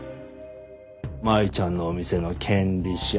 舞ちゃんのお店の権利書。